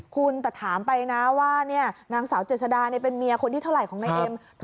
คุณแต่ถามไปนะว่านางสาวเจษดาเป็นเมียคนที่เท่าไหร่ของนายเอ็ม